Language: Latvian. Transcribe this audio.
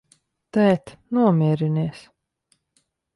Tēt, nomierinies!